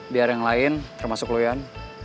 biar yang lain termasuk lo yan